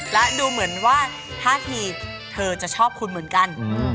และดูเหมือนว่าท่าทีเธอจะชอบคุณเหมือนกัน